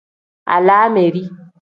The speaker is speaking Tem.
Alaameri.